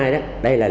đây là lực lượng